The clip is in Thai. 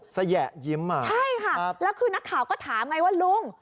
แยะยิ้มอ่ะใช่ค่ะแล้วคือนักข่าวก็ถามไงว่าลุง